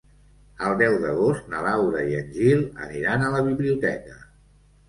El deu d'agost na Laura i en Gil aniran a la biblioteca.